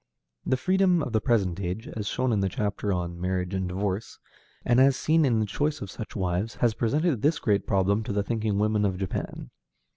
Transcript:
The freedom of the present age, as shown in the chapter on "Marriage and Divorce," and as seen in the choice of such wives, has presented this great problem to the thinking women of Japan.